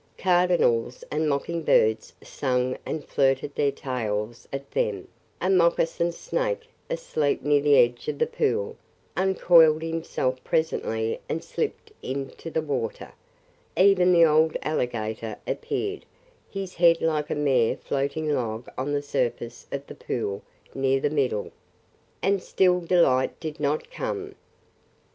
Cardinals and mocking birds sang and flirted their tails at them; a moccasin snake, asleep near the edge of the pool, uncoiled himself presently and slipped into the water; even the old alligator appeared, his head like a mere floating log on the surface of the pool near the middle. And still Delight did not come.